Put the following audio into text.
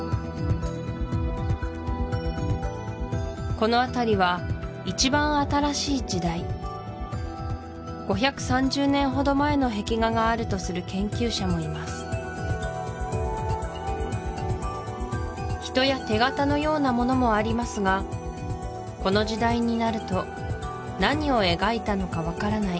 この辺りは一番新しい時代５３０年ほど前の壁画があるとする研究者もいます人や手形のようなものもありますがこの時代になると何を描いたのか分からない